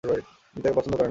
আপনি তাকে পছন্দ করেন না?